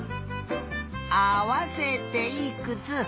あわせていくつ？